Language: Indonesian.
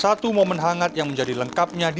satu momen hangat yang menjadi lengkapnya di